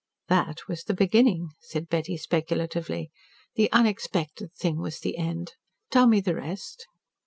"That was the beginning," said Betty speculatively. "The unexpected thing was the end. Tell me the rest?"